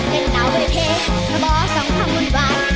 เห็นเราด้วยเทศบ่สังความหุ่นหวาน